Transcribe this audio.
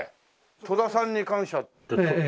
「戸田さんに感謝」って。